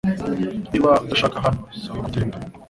Niba udashaka hano, saba kugenda